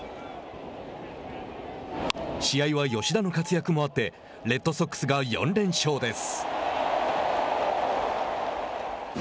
試合は吉田の活躍もあってレッドソックスが４連勝です。